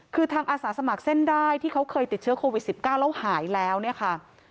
คือทางอาสาสมัครเส้นได้ที่เขาเคยติดเชื้อโควิด๑๙แล้วหายแล้วเนี่ยค่ะ